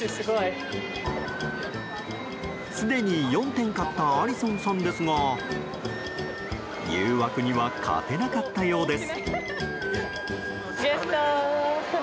すでに４点買ったアリソンさんですが誘惑には勝てなかったようです。